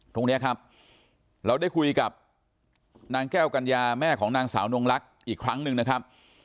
ตรงนี้ครับเราได้คุยกับนางแก้วกัญญาแม่ของนางสาวนงลักษณ์อีกครั้งหนึ่งนะครับ